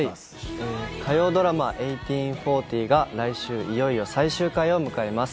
はい火曜ドラマ「１８／４０」が来週いよいよ最終回を迎えます